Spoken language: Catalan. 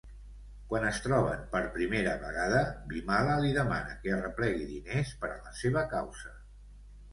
Quan es troben per primera vegada, Bimala li demana que arreplegui diners per a la seva causa.